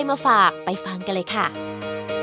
กลับมาสืบสาวเรื่องราวความประทับใจ